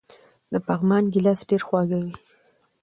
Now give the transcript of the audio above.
د پغمان ګیلاس ډیر خوږ وي.